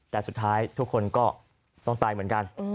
แต่สุดท้ายทุกคนก็ต้องตายเหมือนกัน